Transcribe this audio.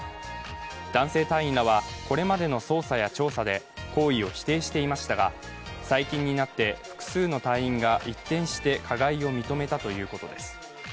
男性隊員らは、これまでの捜査や調査で行為を否定していましたが最近になって、複数の隊員が一転して加害を認めたということです。